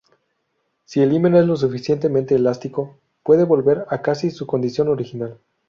Si el himen es lo suficientemente elástico, puede volver a casi su condición original.